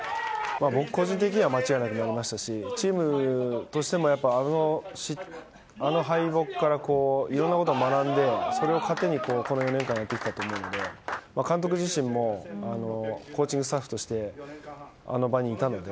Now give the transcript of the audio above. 僕個人的には間違いなくなりましたしチームとしても、やっぱりあの敗北からいろんなことを学んでそれを糧にこの４年間をやってきたと思うので監督自身もコーチングスタッフとしてあの場にいたので。